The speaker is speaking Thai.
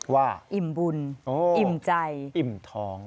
อิ่มบุญอิ่มใจอิ่มท้อง